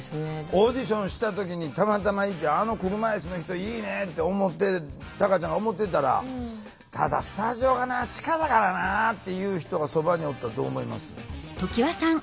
オーディションした時にたまたまいて「あの車いすの人いいね」ってタカちゃんが思ってたら「ただスタジオがな地下だからな」っていう人がそばにおったらどう思います？